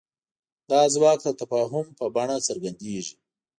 دا ځواک د تفاهم په بڼه څرګندېږي.